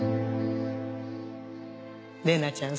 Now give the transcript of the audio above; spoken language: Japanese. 玲奈ちゃん